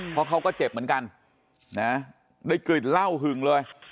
เพราะเขาก็เจ็บเหมือนกันนะได้กลิ่นเหล้าหึงเลย